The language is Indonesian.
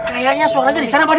kayaknya suaranya disana pak d